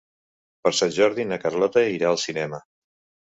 Per Sant Jordi na Carlota irà al cinema.